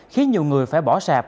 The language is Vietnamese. khiến nhiều người phải bỏ sạch